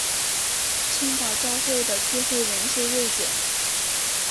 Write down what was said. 青岛教会的聚会人数锐减。